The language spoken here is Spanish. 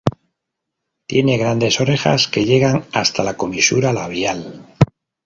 Tiene grandes orejas que llegan hasta la comisura labial.